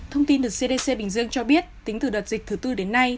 thông tin từ cdc bình dương cho biết tính từ đợt dịch thứ tư đến nay